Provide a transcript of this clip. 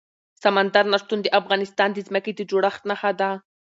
سمندر نه شتون د افغانستان د ځمکې د جوړښت نښه ده.